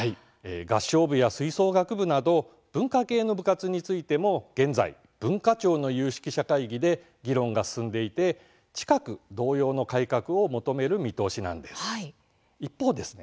合唱部や吹奏楽部など文化系の部活についても現在、文化庁の有識者会議で議論が進んでいて近く同様の改革を求める見通しなんです。